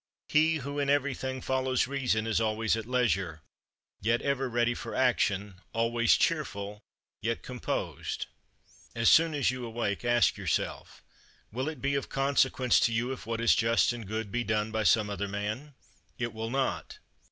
He who in everything follows reason is always at leisure, yet ever ready for action, always cheerful, yet composed. 13. As soon as you awake ask yourself: Will it be of consequence to you if what is just and good be done by some other man? It will not.